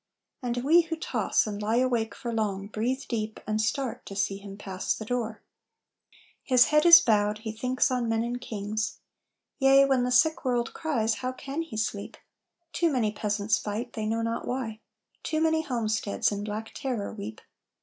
And we who toss and lie awake for long Breathe deep, and start, to see him pass the door. His head is bowed. He thinks on men and kings. Yea, when the sick world cries, how can he sleep? Too many peasants fight, they know not why, Too many homesteads in black terror weep.